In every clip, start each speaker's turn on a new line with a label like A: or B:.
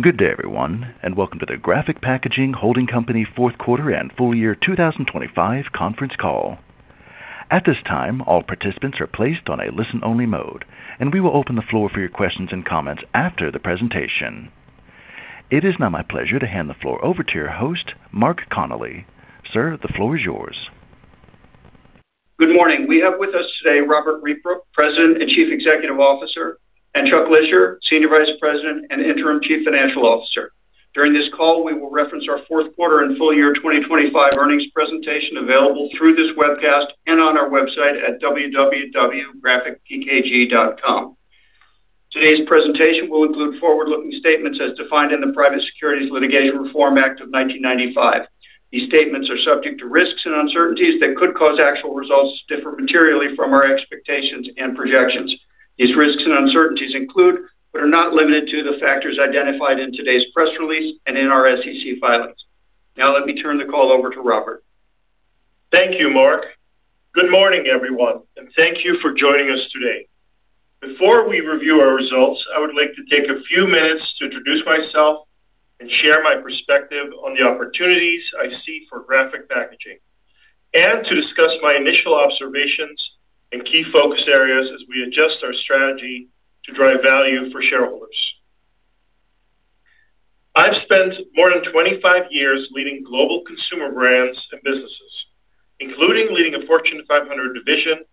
A: Good day, everyone, and welcome to the Graphic Packaging Holding Company fourth quarter and full year 2025 conference call. At this time, all participants are placed on a listen-only mode, and we will open the floor for your questions and comments after the presentation. It is now my pleasure to hand the floor over to your host, Mark Connelly. Sir, the floor is yours.
B: Good morning. We have with us today Robbert Rietbroek, President and Chief Executive Officer, and Chuck Lischer, Senior Vice President and Interim Chief Financial Officer. During this call, we will reference our fourth quarter and full year 2025 earnings presentation available through this webcast and on our website at www.graphicpkg.com. Today's presentation will include forward-looking statements as defined in the Private Securities Litigation Reform Act of 1995. These statements are subject to risks and uncertainties that could cause actual results to differ materially from our expectations and projections. These risks and uncertainties include, but are not limited to, the factors identified in today's press release and in our SEC filings. Now let me turn the call over to Robbert.
C: Thank you, Mark. Good morning, everyone, and thank you for joining us today. Before we review our results, I would like to take a few minutes to introduce myself and share my perspective on the opportunities I see for Graphic Packaging, and to discuss my initial observations and key focus areas as we adjust our strategy to drive value for shareholders. I've spent more than 25 years leading global consumer brands and businesses, including leading a Fortune 500 division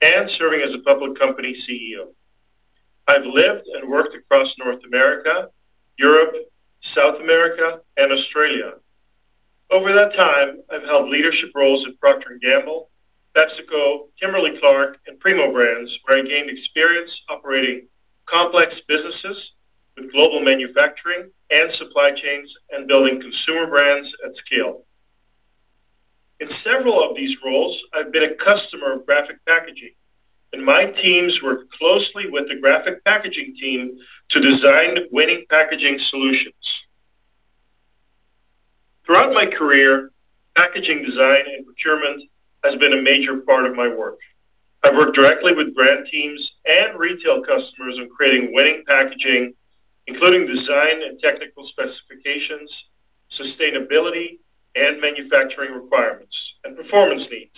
C: and serving as a public company CEO. I've lived and worked across North America, Europe, South America, and Australia. Over that time, I've held leadership roles at Procter & Gamble, PepsiCo, Kimberly-Clark, and Primo Brands, where I gained experience operating complex businesses with global manufacturing and supply chains and building consumer brands at scale. In several of these roles, I've been a customer of Graphic Packaging, and my teams work closely with the Graphic Packaging team to design winning packaging solutions. Throughout my career, packaging design and procurement has been a major part of my work. I've worked directly with brand teams and retail customers on creating winning packaging, including design and technical specifications, sustainability, and manufacturing requirements and performance needs.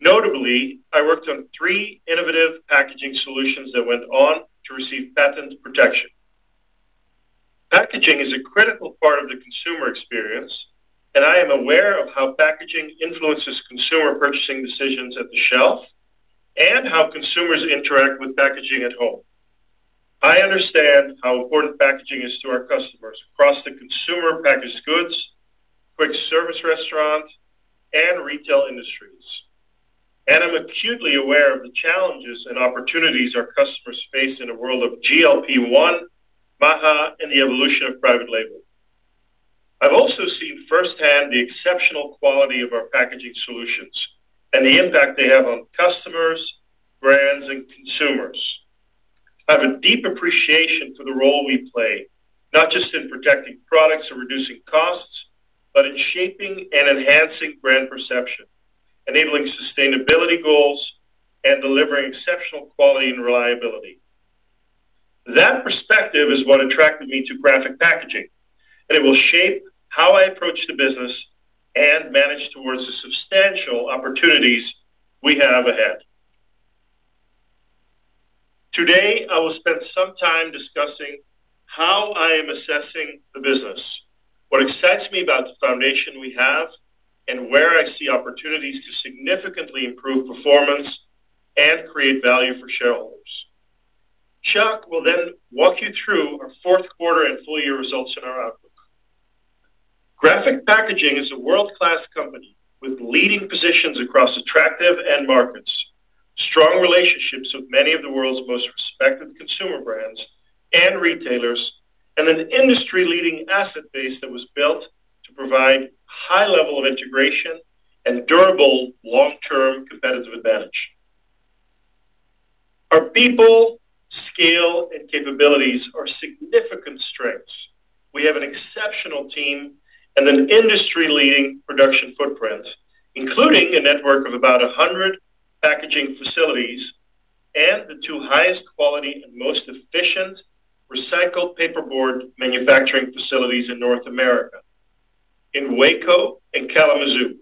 C: Notably, I worked on three innovative packaging solutions that went on to receive patent protection. Packaging is a critical part of the consumer experience, and I am aware of how packaging influences consumer purchasing decisions at the shelf and how consumers interact with packaging at home. I understand how important packaging is to our customers across the consumer packaged goods, quick service restaurants, and retail industries, and I'm acutely aware of the challenges and opportunities our customers face in a world of GLP-1, MAHA, and the evolution of private label. I've also seen firsthand the exceptional quality of our packaging solutions and the impact they have on customers, brands, and consumers. I have a deep appreciation for the role we play, not just in protecting products or reducing costs, but in shaping and enhancing brand perception, enabling sustainability goals, and delivering exceptional quality and reliability. That perspective is what attracted me to Graphic Packaging, and it will shape how I approach the business and manage towards the substantial opportunities we have ahead. Today, I will spend some time discussing how I am assessing the business, what excites me about the foundation we have, and where I see opportunities to significantly improve performance and create value for shareholders. Chuck will then walk you through our fourth quarter and full year results in our outlook. Graphic Packaging is a world-class company with leading positions across attractive end markets, strong relationships with many of the world's most respected consumer brands and retailers, and an industry-leading asset base that was built to provide high-level integration and durable long-term competitive advantage. Our people, scale, and capabilities are significant strengths. We have an exceptional team and an industry-leading production footprint, including a network of about 100 packaging facilities and the two highest quality and most efficient recycled paperboard manufacturing facilities in North America, in Waco and Kalamazoo.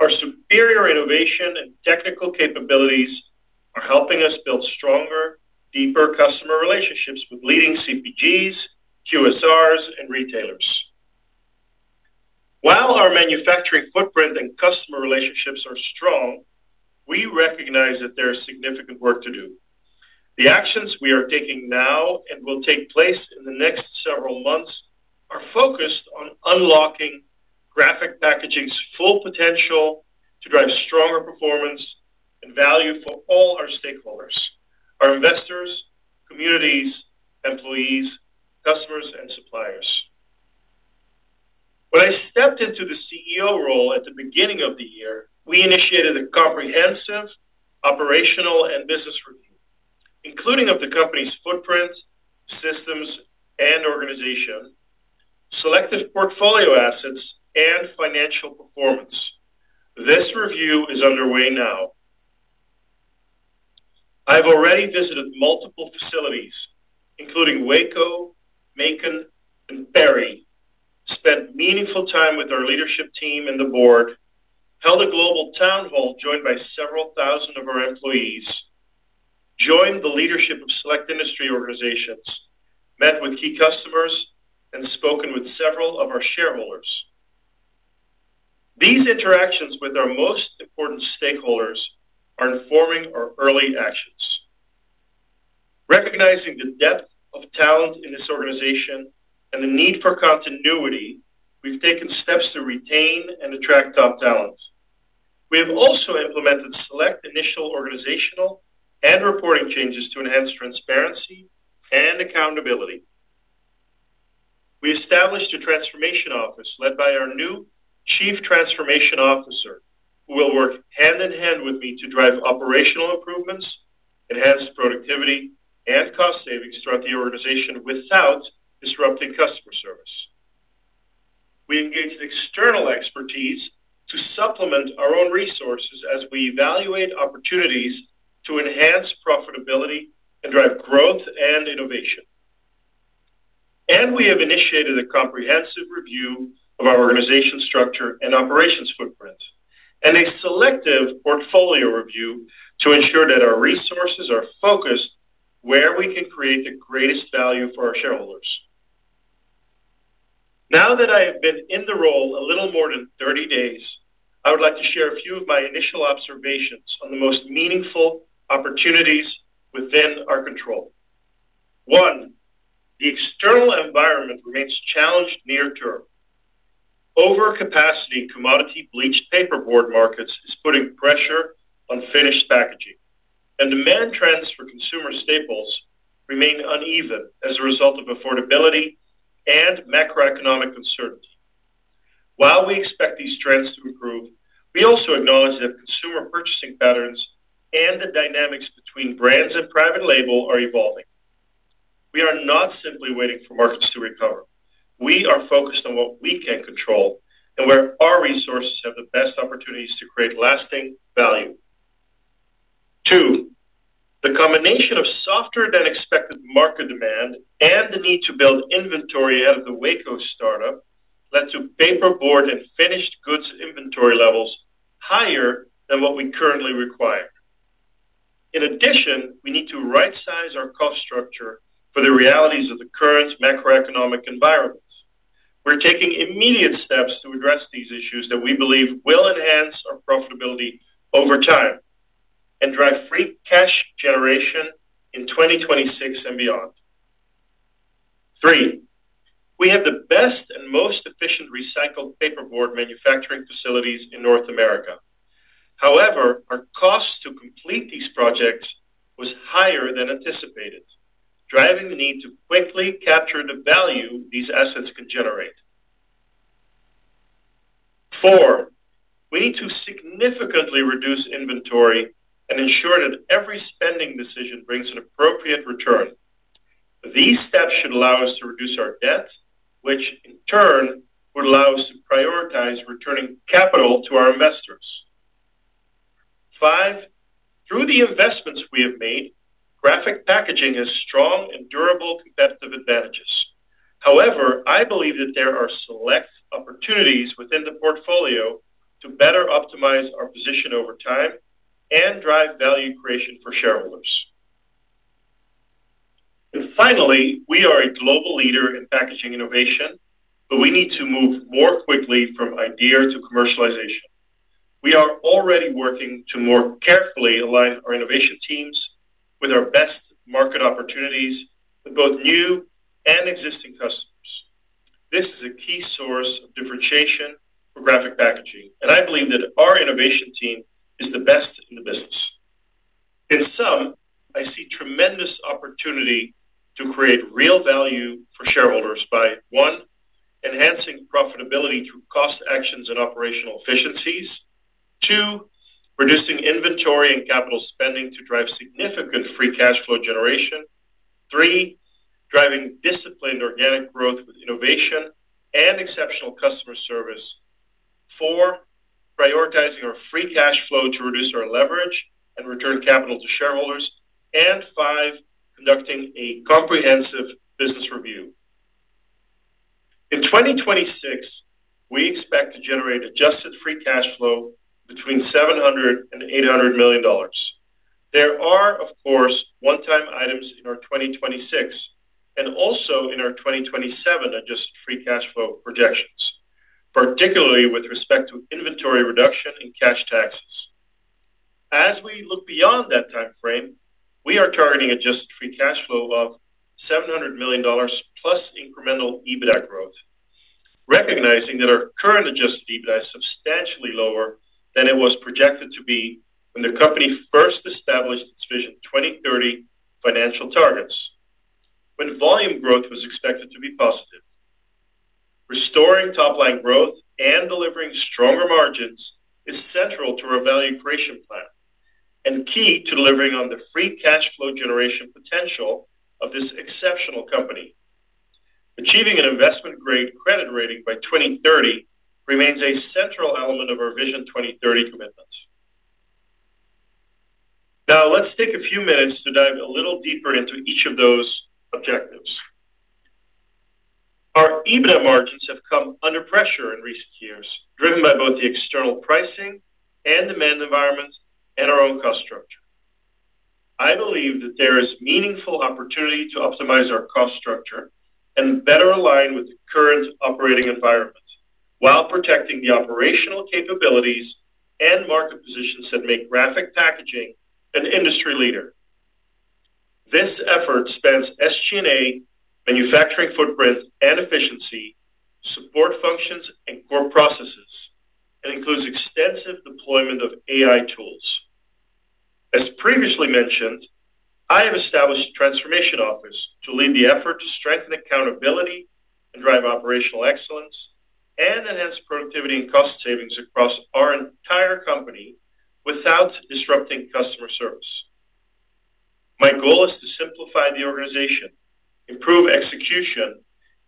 C: Our superior innovation and technical capabilities are helping us build stronger, deeper customer relationships with leading CPGs, QSRs, and retailers. While our manufacturing footprint and customer relationships are strong, we recognize that there is significant work to do. The actions we are taking now and will take place in the next several months are focused on unlocking Graphic Packaging's full potential to drive stronger performance and value for all our stakeholders: our investors, communities, employees, customers, and suppliers. When I stepped into the CEO role at the beginning of the year, we initiated a comprehensive operational and business review, including of the company's footprint, systems, and organization, selective portfolio assets, and financial performance. This review is underway now. I've already visited multiple facilities, including Waco, Macon, and Perry, spent meaningful time with our leadership team and the board, held a global town hall joined by several thousand of our employees, joined the leadership of select industry organizations, met with key customers, and spoken with several of our shareholders. These interactions with our most important stakeholders are informing our early actions. Recognizing the depth of talent in this organization and the need for continuity, we've taken steps to retain and attract top talent. We have also implemented select initial organizational and reporting changes to enhance transparency and accountability. We established a transformation office led by our new Chief Transformation Officer, who will work hand in hand with me to drive operational improvements, enhance productivity, and cost savings throughout the organization without disrupting customer service. We engaged external expertise to supplement our own resources as we evaluate opportunities to enhance profitability and drive growth and innovation. We have initiated a comprehensive review of our organization structure and operations footprint and a selective portfolio review to ensure that our resources are focused where we can create the greatest value for our shareholders. Now that I have been in the role a little more than 30 days, I would like to share a few of my initial observations on the most meaningful opportunities within our control. One, the external environment remains challenged near term. Overcapacity in commodity bleached paperboard markets is putting pressure on finished packaging, and demand trends for consumer staples remain uneven as a result of affordability and macroeconomic uncertainty. While we expect these trends to improve, we also acknowledge that consumer purchasing patterns and the dynamics between brands and private label are evolving. We are not simply waiting for markets to recover. We are focused on what we can control and where our resources have the best opportunities to create lasting value. Two, the combination of softer than expected market demand and the need to build inventory ahead of the Waco startup led to paperboard and finished goods inventory levels higher than what we currently require. In addition, we need to right-size our cost structure for the realities of the current macroeconomic environments. We're taking immediate steps to address these issues that we believe will enhance our profitability over time and drive free cash generation in 2026 and beyond. Three, we have the best and most efficient recycled paperboard manufacturing facilities in North America. However, our cost to complete these projects was higher than anticipated, driving the need to quickly capture the value these assets can generate. Four, we need to significantly reduce inventory and ensure that every spending decision brings an appropriate return. These steps should allow us to reduce our debt, which in turn would allow us to prioritize returning capital to our investors. Five, through the investments we have made, Graphic Packaging has strong and durable competitive advantages. However, I believe that there are select opportunities within the portfolio to better optimize our position over time and drive value creation for shareholders. And finally, we are a global leader in packaging innovation, but we need to move more quickly from idea to commercialization. We are already working to more carefully align our innovation teams with our best market opportunities with both new and existing customers. This is a key source of differentiation for Graphic Packaging, and I believe that our innovation team is the best in the business. In sum, I see tremendous opportunity to create real value for shareholders by, one, enhancing profitability through cost actions and operational efficiencies, two, reducing inventory and capital spending to drive significant free cash flow generation, three, driving disciplined organic growth with innovation and exceptional customer service, four, prioritizing our free cash flow to reduce our leverage and return capital to shareholders, and five, conducting a comprehensive business review. In 2026, we expect to generate Adjusted Free Cash Flow between $700 million and $800 million. There are, of course, one-time items in our 2026 and also in our 2027 Adjusted Free Cash Flow projections, particularly with respect to inventory reduction and cash taxes. As we look beyond that time frame, we are targeting Adjusted Free Cash Flow of $700 million plus incremental EBITDA growth, recognizing that our current adjusted EBITDA is substantially lower than it was projected to be when the company first established its Vision 2030 financial targets, when volume growth was expected to be positive. Restoring top-line growth and delivering stronger margins is central to our value creation plan and key to delivering on the free cash flow generation potential of this exceptional company. Achieving an investment-grade credit rating by 2030 remains a central element of our Vision 2030 commitments. Now, let's take a few minutes to dive a little deeper into each of those objectives. Our EBITDA margins have come under pressure in recent years, driven by both the external pricing and demand environments and our own cost structure. I believe that there is meaningful opportunity to optimize our cost structure and better align with the current operating environment while protecting the operational capabilities and market positions that make Graphic Packaging an industry leader. This effort spans SG&A, manufacturing footprint and efficiency, support functions, and core processes, and includes extensive deployment of AI tools. As previously mentioned, I have established a transformation office to lead the effort to strengthen accountability and drive operational excellence and enhance productivity and cost savings across our entire company without disrupting customer service. My goal is to simplify the organization, improve execution,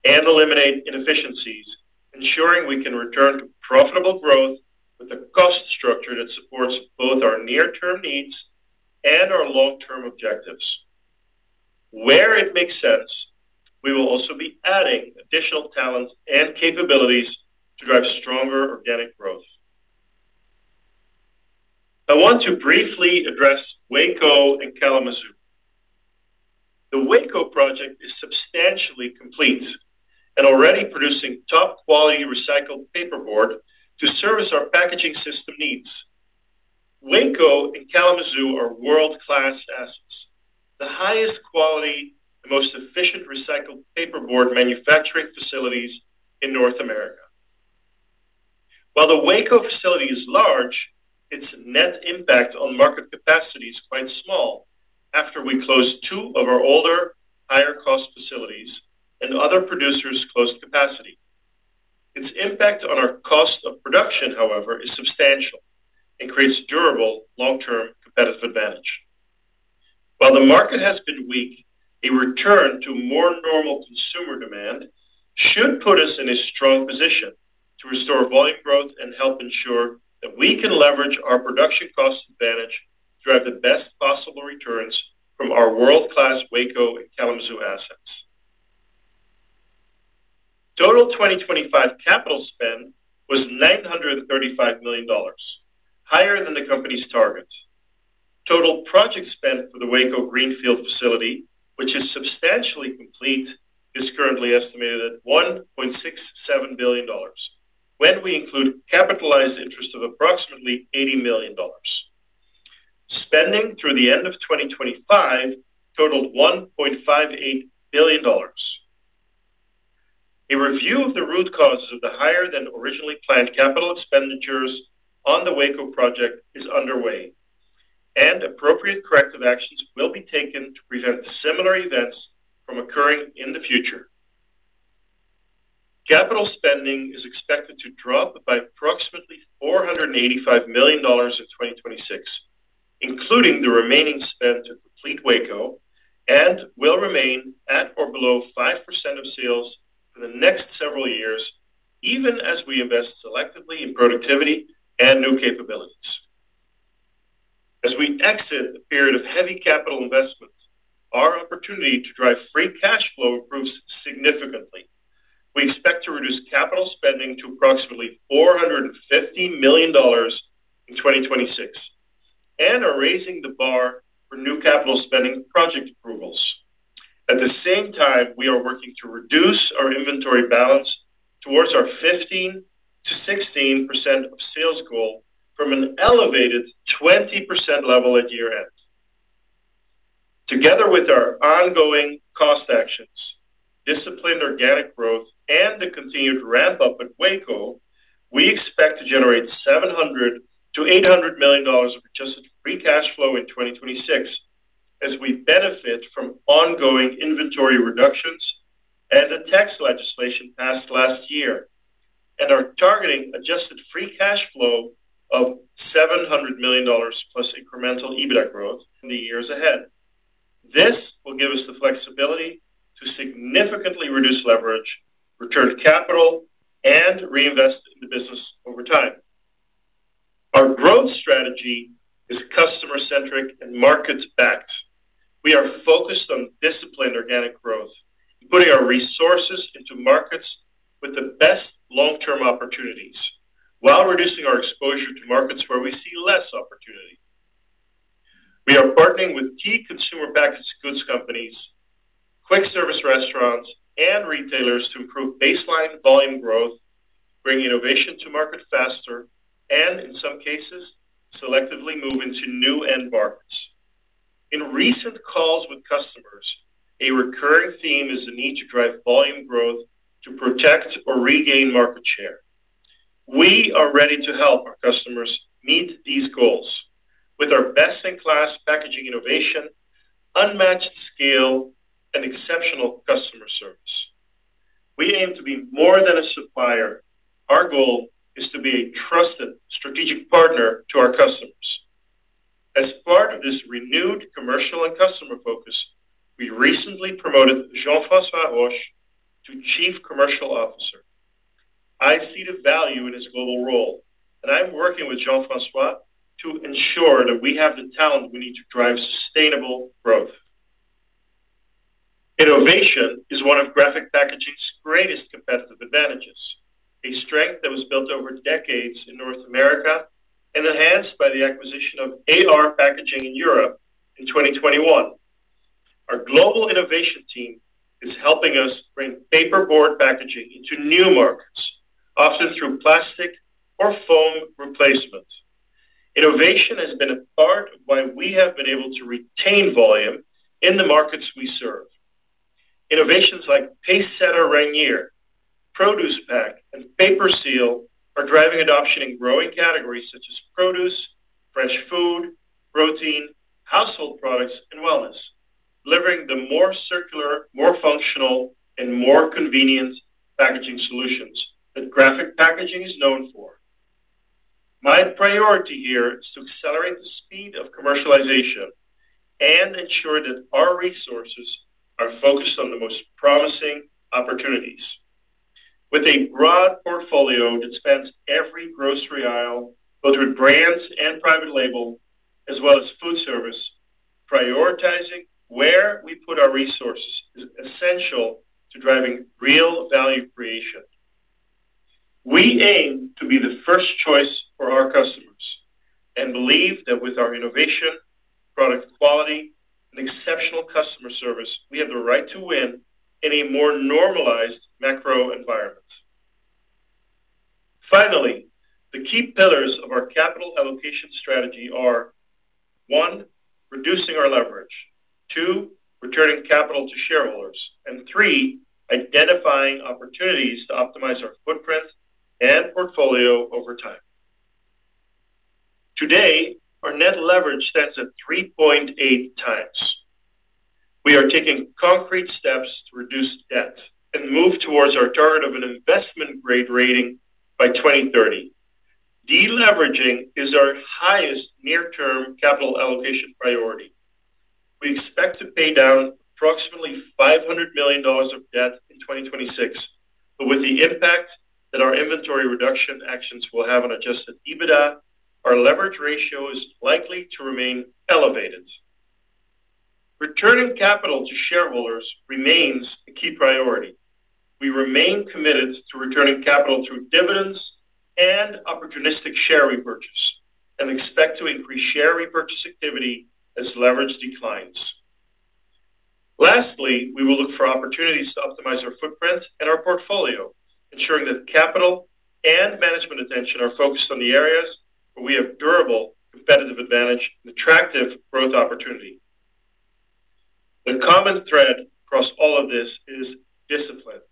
C: and eliminate inefficiencies, ensuring we can return to profitable growth with a cost structure that supports both our near-term needs and our long-term objectives. Where it makes sense, we will also be adding additional talents and capabilities to drive stronger organic growth. I want to briefly address Waco and Kalamazoo. The Waco project is substantially complete and already producing top-quality recycled paperboard to service our packaging system needs. Waco and Kalamazoo are world-class assets, the highest quality and most efficient recycled paperboard manufacturing facilities in North America. While the Waco facility is large, its net impact on market capacity is quite small after we closed two of our older, higher-cost facilities and other producers' closed capacity. Its impact on our cost of production, however, is substantial and creates durable long-term competitive advantage. While the market has been weak, a return to more normal consumer demand should put us in a strong position to restore volume growth and help ensure that we can leverage our production cost advantage to drive the best possible returns from our world-class Waco and Kalamazoo assets. Total 2025 capital spend was $935 million, higher than the company's targets. Total project spend for the Waco greenfield facility, which is substantially complete, is currently estimated at $1.67 billion when we include capitalized interest of approximately $80 million. Spending through the end of 2025 totaled $1.58 billion. A review of the root causes of the higher-than-originally planned capital expenditures on the Waco project is underway, and appropriate corrective actions will be taken to prevent similar events from occurring in the future. Capital spending is expected to drop by approximately $485 million in 2026, including the remaining spend to complete Waco, and will remain at or below 5% of sales for the next several years, even as we invest selectively in productivity and new capabilities. As we exit the period of heavy capital investment, our opportunity to drive free cash flow improves significantly. We expect to reduce capital spending to approximately $450 million in 2026 and are raising the bar for new capital spending project approvals. At the same time, we are working to reduce our inventory balance toward our 15%-16% of sales goal from an elevated 20% level at year-end. Together with our ongoing cost actions, disciplined organic growth, and the continued ramp-up at Waco, we expect to generate $700 million-$800 million of Adjusted Free Cash Flow in 2026 as we benefit from ongoing inventory reductions and the tax legislation passed last year and are targeting Adjusted Free Cash Flow of $700 million+ incremental EBITDA growth. The years ahead. This will give us the flexibility to significantly reduce leverage, return capital, and reinvest in the business over time. Our growth strategy is customer-centric and market-backed. We are focused on disciplined organic growth, putting our resources into markets with the best long-term opportunities while reducing our exposure to markets where we see less opportunity. We are partnering with key consumer packaged goods companies, quick-service restaurants, and retailers to improve baseline volume growth, bring innovation to market faster, and, in some cases, selectively move into new end markets. In recent calls with customers, a recurring theme is the need to drive volume growth to protect or regain market share. We are ready to help our customers meet these goals with our best-in-class packaging innovation, unmatched scale, and exceptional customer service. We aim to be more than a supplier. Our goal is to be a trusted strategic partner to our customers. As part of this renewed commercial and customer focus, we recently promoted Jean-Francois Roche to Chief Commercial Officer. I see the value in his global role, and I'm working with Jean-Francois to ensure that we have the talent we need to drive sustainable growth. Innovation is one of Graphic Packaging's greatest competitive advantages, a strength that was built over decades in North America and enhanced by the acquisition of AR Packaging in Europe in 2021. Our global innovation team is helping us bring paperboard packaging into new markets, often through plastic or foam replacement. Innovation has been a part of why we have been able to retain volume in the markets we serve. Innovations like PaceSetter Rainier, ProducePack, and PaperSeal are driving adoption in growing categories such as produce, fresh food, protein, household products, and wellness, delivering the more circular, more functional, and more convenient packaging solutions that Graphic Packaging is known for. My priority here is to accelerate the speed of commercialization and ensure that our resources are focused on the most promising opportunities. With a broad portfolio that spans every grocery aisle, both with brands and private label, as well as food service, prioritizing where we put our resources is essential to driving real value creation. We aim to be the first choice for our customers and believe that with our innovation, product quality, and exceptional customer service, we have the right to win in a more normalized macro environment. Finally, the key pillars of our capital allocation strategy are 1, reducing our leverage, 2, returning capital to shareholders, and 3, identifying opportunities to optimize our footprint and portfolio over time. Today, our net leverage stands at 3.8x. We are taking concrete steps to reduce debt and move towards our target of an investment-grade rating by 2030. Deleveraging is our highest near-term capital allocation priority. We expect to pay down approximately $500 million of debt in 2026, but with the impact that our inventory reduction actions will have on Adjusted EBITDA, our leverage ratio is likely to remain elevated. Returning capital to shareholders remains a key priority. We remain committed to returning capital through dividends and opportunistic share repurchase and expect to increase share repurchase activity as leverage declines. Lastly, we will look for opportunities to optimize our footprint and our portfolio, ensuring that capital and management attention are focused on the areas where we have durable competitive advantage and attractive growth opportunity. The common thread across all of this is discipline.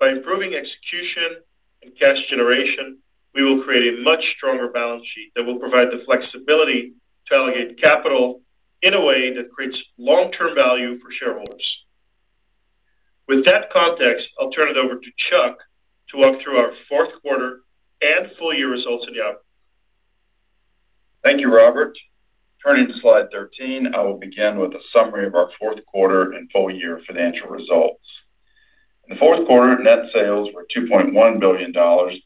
C: By improving execution and cash generation, we will create a much stronger balance sheet that will provide the flexibility to allocate capital in a way that creates long-term value for shareholders. With that context, I'll turn it over to Chuck to walk through our fourth quarter and full-year results in in a bit.
D: Thank you, Robbert. Turning to slide 13, I will begin with a summary of our fourth quarter and full-year financial results. In the fourth quarter, net sales were $2.1 billion,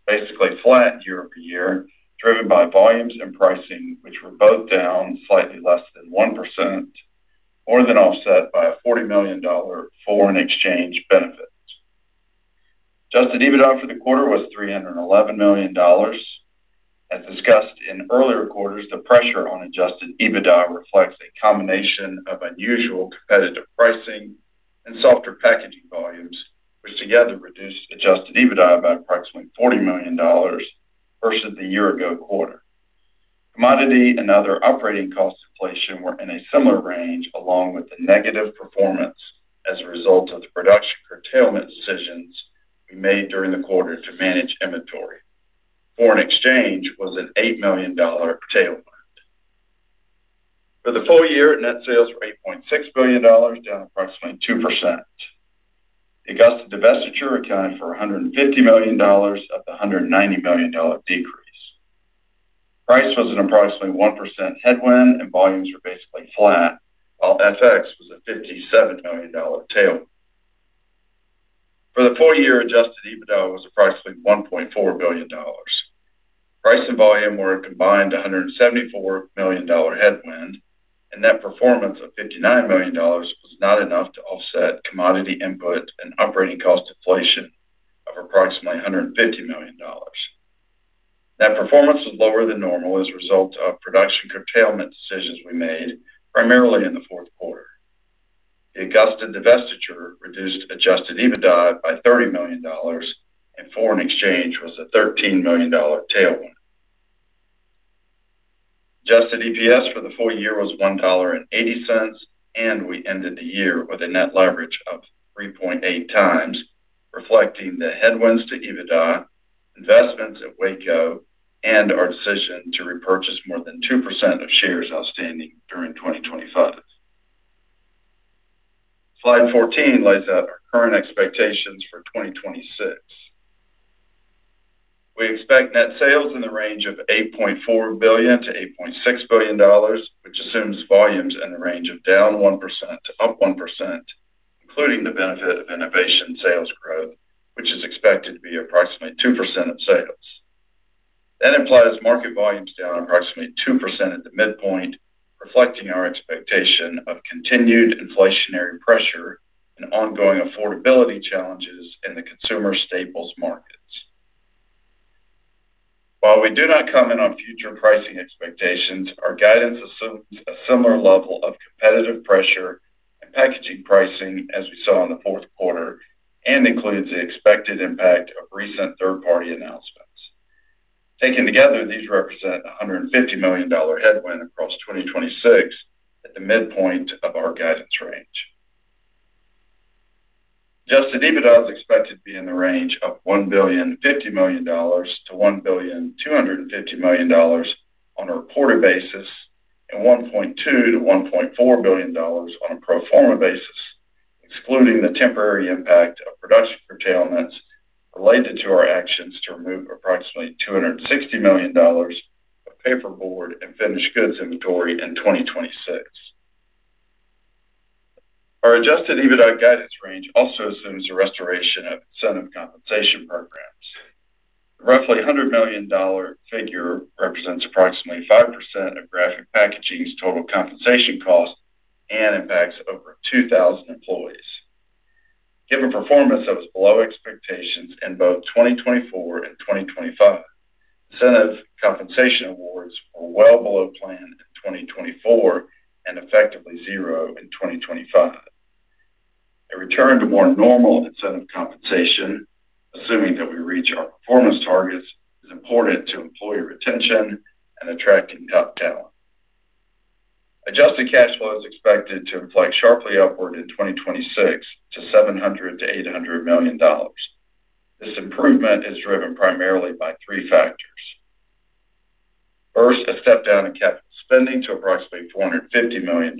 D: basically flat year-over-year, driven by volumes and pricing, which were both down slightly less than 1%, more than offset by a $40 million foreign exchange benefit. Adjusted EBITDA for the quarter was $311 million. As discussed in earlier quarters, the pressure on adjusted EBITDA reflects a combination of unusual competitive pricing and softer packaging volumes, which together reduced adjusted EBITDA by approximately $40 million versus the year-ago quarter. Commodity and other operating cost inflation were in a similar range, along with the negative performance as a result of the production curtailment decisions we made during the quarter to manage inventory. Foreign exchange was an $8 million tailwind. For the full year, net sales were $8.6 billion, down approximately 2%. The Augusta divestiture accounted for $150 million of the $190 million decrease. Price was an approximately 1% headwind, and volumes were basically flat, while FX was a $57 million tailwind. For the full year, Adjusted EBITDA was approximately $1.4 billion. Price and volume were a combined $174 million headwind, and net performance of $59 million was not enough to offset commodity input and operating cost inflation of approximately $150 million. Net performance was lower than normal as a result of production curtailment decisions we made, primarily in the fourth quarter. The Augusta divestiture reduced Adjusted EBITDA by $30 million, and foreign exchange was a $13 million tailwind. Adjusted EPS for the full year was $1.80, and we ended the year with a net leverage of 3.8x, reflecting the headwinds to EBITDA, investments at Waco, and our decision to repurchase more than 2% of shares outstanding during 2025. Slide 14 lays out our current expectations for 2026. We expect net sales in the range of $8.4 billion-$8.6 billion, which assumes volumes in the range of down 1% to up 1%, including the benefit of innovation sales growth, which is expected to be approximately 2% of sales. That implies market volumes down approximately 2% at the midpoint, reflecting our expectation of continued inflationary pressure and ongoing affordability challenges in the consumer staples markets. While we do not comment on future pricing expectations, our guidance assumes a similar level of competitive pressure and packaging pricing as we saw in the fourth quarter and includes the expected impact of recent third-party announcements. Taken together, these represent a $150 million headwind across 2026 at the midpoint of our guidance range. Adjusted EBITDA is expected to be in the range of $1,150 million-$1,250 million on a quarter basis and $1.2-$1.4 billion on a pro forma basis, excluding the temporary impact of production curtailments related to our actions to remove approximately $260 million of paperboard and finished goods inventory in 2026. Our Adjusted EBITDA guidance range also assumes the restoration of incentive compensation programs. The roughly $100 million figure represents approximately 5% of Graphic Packaging's total compensation cost and impacts over 2,000 employees. Given performance that was below expectations in both 2024 and 2025, incentive compensation awards were well below plan in 2024 and effectively zero in 2025. A return to more normal incentive compensation, assuming that we reach our performance targets, is important to employee retention and attracting top talent. Adjusted cash flow is expected to inflect sharply upward in 2026 to $700-$800 million. This improvement is driven primarily by three factors. First, a step down in capital spending to approximately $450 million.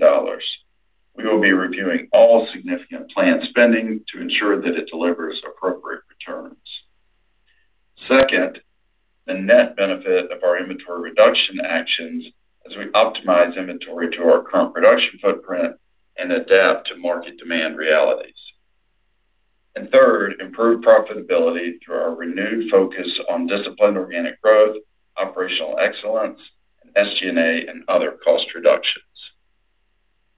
D: We will be reviewing all significant planned spending to ensure that it delivers appropriate returns. Second, the net benefit of our inventory reduction actions as we optimize inventory to our current production footprint and adapt to market demand realities. And third, improved profitability through our renewed focus on disciplined organic growth, operational excellence, and SG&A and other cost reductions.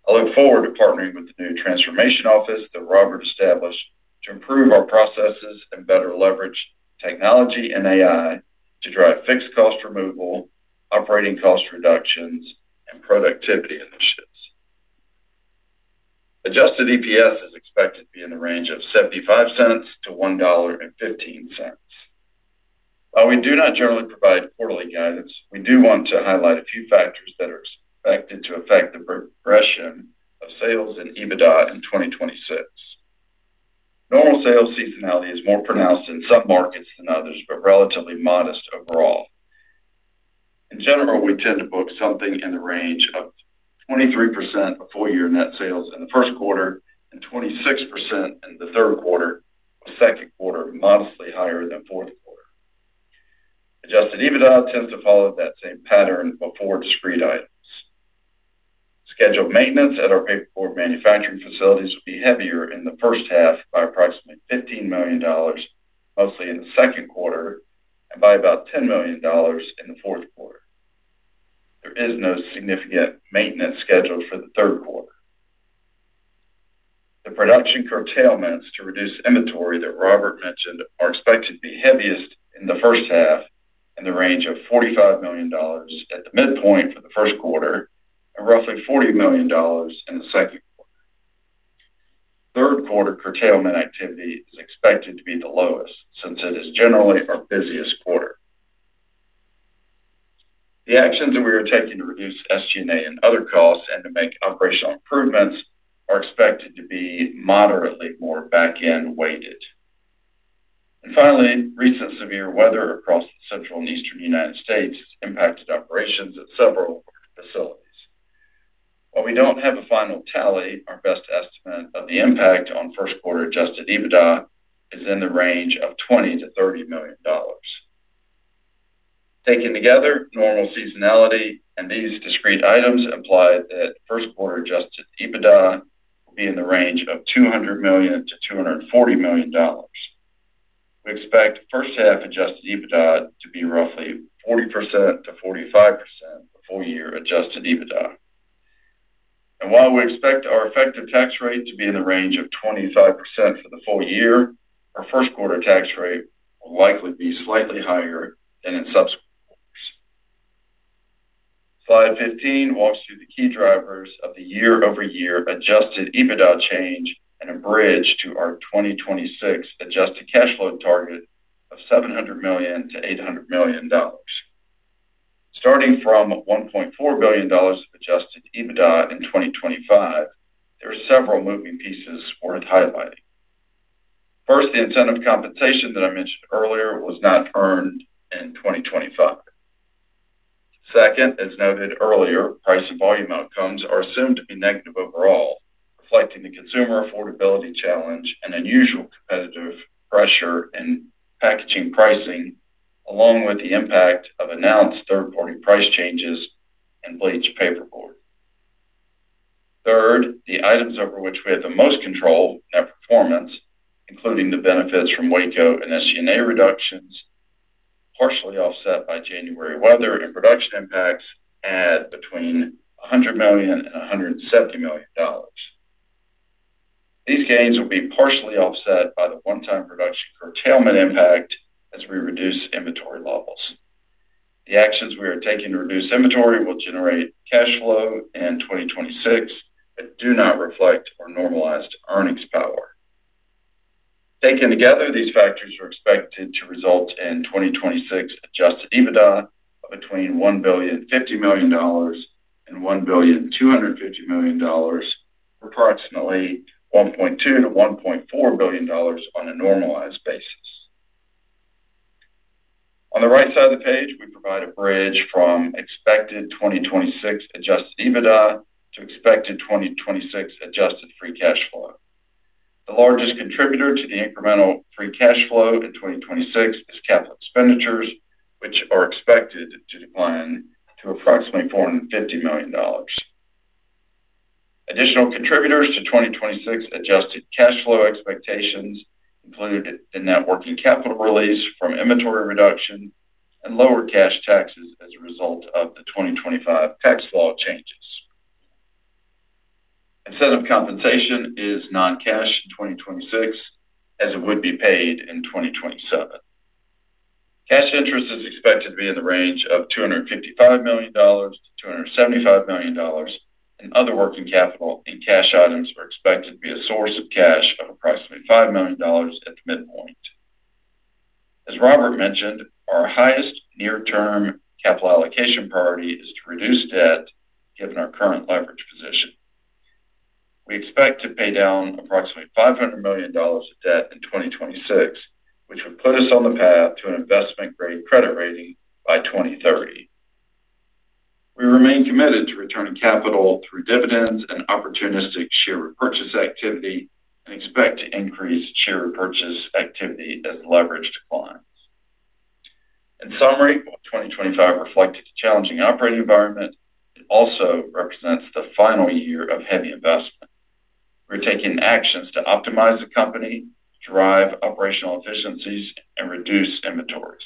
D: I look forward to partnering with the new transformation office that Robbert established to improve our processes and better leverage technology and AI to drive fixed cost removal, operating cost reductions, and productivity initiatives. Adjusted EPS is expected to be in the range of $0.75-$1.15. While we do not generally provide quarterly guidance, we do want to highlight a few factors that are expected to affect the progression of sales and EBITDA in 2026. Normal sales seasonality is more pronounced in some markets than others but relatively modest overall. In general, we tend to book something in the range of 23% of full-year net sales in the first quarter and 26% in the third quarter, with second quarter modestly higher than fourth quarter. Adjusted EBITDA tends to follow that same pattern before discrete items. Scheduled maintenance at our paperboard manufacturing facilities will be heavier in the first half by approximately $15 million, mostly in the second quarter, and by about $10 million in the fourth quarter. There is no significant maintenance scheduled for the third quarter. The production curtailments to reduce inventory that Robbert mentioned are expected to be heaviest in the first half in the range of $45 million at the midpoint for the first quarter and roughly $40 million in the second quarter. Third quarter curtailment activity is expected to be the lowest since it is generally our busiest quarter. The actions that we are taking to reduce SG&A and other costs and to make operational improvements are expected to be moderately more back-end weighted. Finally, recent severe weather across the central and eastern United States has impacted operations at several facilities. While we don't have a final tally, our best estimate of the impact on first-quarter Adjusted EBITDA is in the range of $20-$30 million. Taken together, normal seasonality and these discrete items imply that first-quarter Adjusted EBITDA will be in the range of $200-$240 million. We expect first-half Adjusted EBITDA to be roughly 40%-45% of full-year Adjusted EBITDA. While we expect our effective tax rate to be in the range of 25% for the full year, our first-quarter tax rate will likely be slightly higher than in subsequent quarters. Slide 15 walks through the key drivers of the year-over-year Adjusted EBITDA change and a bridge to our 2026 adjusted cash flow target of $700-$800 million. Starting from $1.4 billion of Adjusted EBITDA in 2025, there are several moving pieces worth highlighting. First, the incentive compensation that I mentioned earlier was not earned in 2025. Second, as noted earlier, price and volume outcomes are assumed to be negative overall, reflecting the consumer affordability challenge and unusual competitive pressure in packaging pricing, along with the impact of announced third-party price changes and bleached paperboard. Third, the items over which we have the most control net performance, including the benefits from Waco and SG&A reductions, partially offset by January weather and production impacts, add between $100 million and $170 million. These gains will be partially offset by the one-time production curtailment impact as we reduce inventory levels. The actions we are taking to reduce inventory will generate cash flow in 2026 but do not reflect our normalized earnings power. Taken together, these factors are expected to result in 2026 Adjusted EBITDA of between $1.5 billion and $1.25 billion, or approximately $1.2-$1.4 billion on a normalized basis. On the right side of the page, we provide a bridge from expected 2026 Adjusted EBITDA to expected 2026 Adjusted Free Cash Flow. The largest contributor to the incremental free cash flow in 2026 is capital expenditures, which are expected to decline to approximately $450 million. Additional contributors to 2026 adjusted cash flow expectations include the net working capital release from inventory reduction and lower cash taxes as a result of the 2025 tax law changes. Incentive compensation is non-cash in 2026 as it would be paid in 2027. Cash interest is expected to be in the range of $255 million-$275 million, and other working capital and cash items are expected to be a source of cash of approximately $5 million at the midpoint. As Robbert mentioned, our highest near-term capital allocation priority is to reduce debt given our current leverage position. We expect to pay down approximately $500 million of debt in 2026, which would put us on the path to an investment-grade credit rating by 2030. We remain committed to returning capital through dividends and opportunistic share repurchase activity and expect to increase share repurchase activity as leverage declines. In summary, 2025 reflected a challenging operating environment. It also represents the final year of heavy investment. We are taking actions to optimize the company, drive operational efficiencies, and reduce inventories.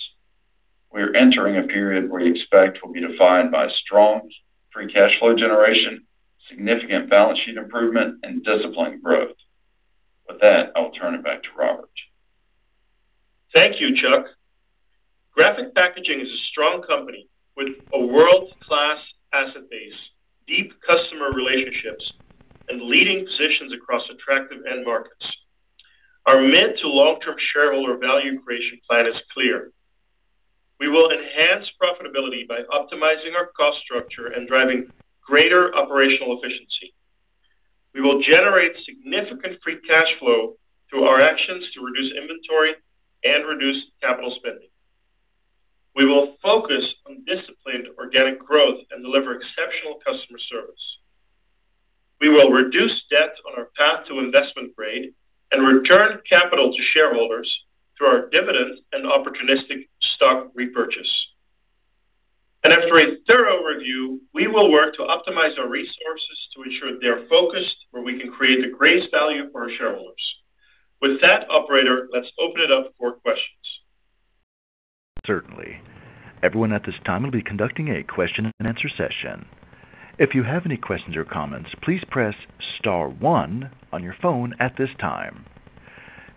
D: We are entering a period where we expect will be defined by strong free cash flow generation, significant balance sheet improvement, and disciplined growth. With that, I will turn it back to Robbert.
C: Thank you, Chuck. Graphic Packaging is a strong company with a world-class asset base, deep customer relationships, and leading positions across attractive end markets. Our mid- to long-term shareholder value creation plan is clear. We will enhance profitability by optimizing our cost structure and driving greater operational efficiency. We will generate significant free cash flow through our actions to reduce inventory and reduce capital spending. We will focus on disciplined organic growth and deliver exceptional customer service. We will reduce debt on our path to investment grade and return capital to shareholders through our dividend and opportunistic stock repurchase. After a thorough review, we will work to optimize our resources to ensure they're focused where we can create the greatest value for our shareholders. With that, operator, let's open it up for questions.
A: Certainly. Everyone at this time will be conducting a question-and-answer session. If you have any questions or comments, please press star 1 on your phone at this time.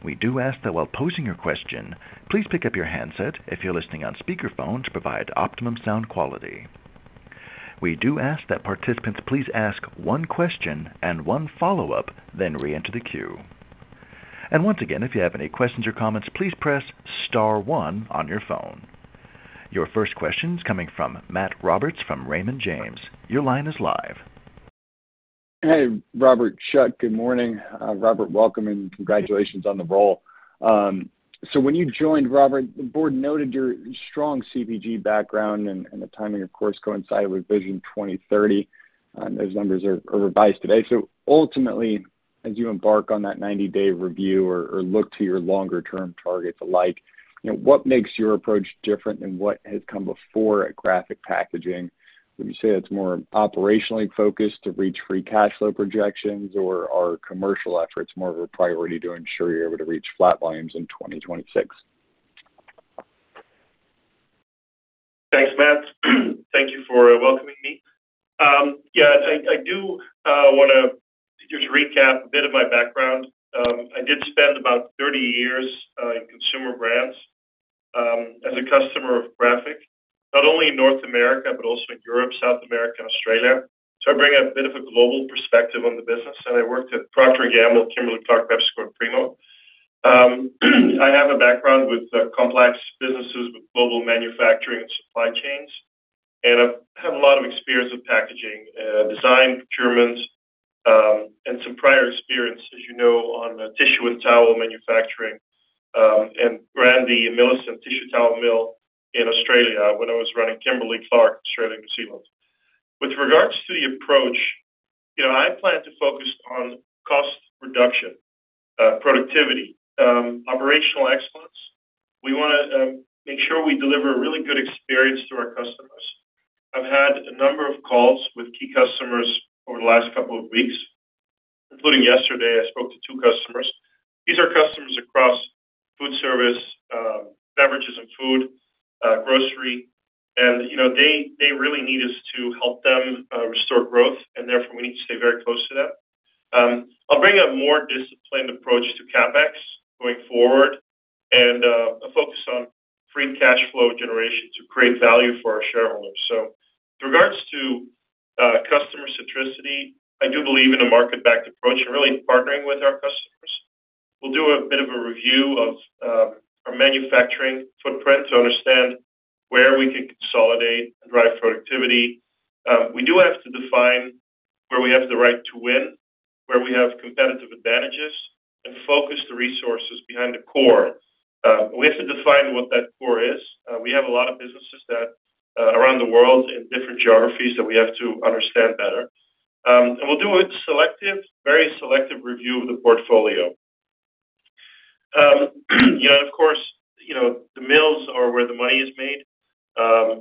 A: We do ask that while posing your question, please pick up your handset if you're listening on speakerphone to provide optimum sound quality. We do ask that participants please ask one question and one follow-up, then reenter the queue. Once again, if you have any questions or comments, please press star 1 on your phone. Your first question is coming from Matt Roberts from Raymond James. Your line is live.
E: Hey, Robbert. Chuck, good morning. Robbert, welcome and congratulations on the role. So when you joined, Robbert, the board noted your strong CPG background and the timing, of course, coincided with Vision 2030. Those numbers are revised today. So ultimately, as you embark on that 90-day review or look to your longer-term targets alike, what makes your approach different than what has come before at Graphic Packaging? Would you say it's more operationally focused to reach free cash flow projections, or are commercial efforts more of a priority to ensure you're able to reach flat volumes in 2026?
C: Thanks, Matt. Thank you for welcoming me. Yeah, I do want to just recap a bit of my background. I did spend about 30 years in consumer brands as a customer of Graphic, not only in North America but also in Europe, South America, and Australia. So I bring a bit of a global perspective on the business, and I worked at Procter & Gamble, Kimberly-Clark, PepsiCo, and Primo. I have a background with complex businesses with global manufacturing and supply chains, and I have a lot of experience with packaging, design procurements, and some prior experience, as you know, on tissue and towel manufacturing and ran the Millicent Tissue Towel Mill in Australia when I was running Kimberly-Clark, Australia, New Zealand. With regards to the approach, I plan to focus on cost reduction, productivity, operational excellence. We want to make sure we deliver a really good experience to our customers. I've had a number of calls with key customers over the last couple of weeks, including yesterday. I spoke to two customers. These are customers across food service, beverages and food, grocery. They really need us to help them restore growth, and therefore, we need to stay very close to them. I'll bring a more disciplined approach to CapEx going forward and a focus on free cash flow generation to create value for our shareholders. With regards to customer centricity, I do believe in a market-backed approach and really partnering with our customers. We'll do a bit of a review of our manufacturing footprint to understand where we can consolidate and drive productivity. We do have to define where we have the right to win, where we have competitive advantages, and focus the resources behind the core. We have to define what that core is. We have a lot of businesses around the world in different geographies that we have to understand better. We'll do a very selective review of the portfolio. And of course, the mills are where the money is made.